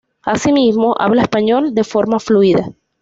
Asimismo habla español de forma fluida.